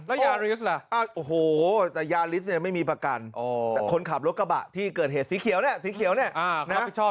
แล้วยาริสล่ะโอ้โหแต่ยาริสเนี่ยไม่มีประกันแต่คนขับรถกระบะที่เกิดเหตุสีเขียวเนี่ยสีเขียวเนี่ยนะ